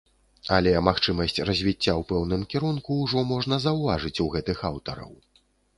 Але магчымасць развіцця ў пэўным кірунку ўжо можна заўважыць у гэтых аўтараў.